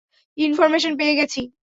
Information পেয়ে গেছি।